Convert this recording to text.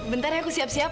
bentar ya aku siap siap